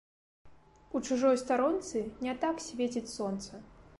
У чужой старонцы не так свеціць сонца